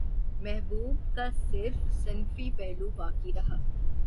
محبوب کا صرف صنفی پہلو باقی رہا